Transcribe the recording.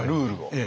ええ。